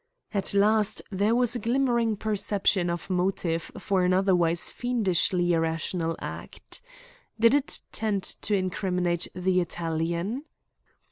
At last there was a glimmering perception of motive for an otherwise fiendishly irrational act. Did it tend to incriminate the Italian?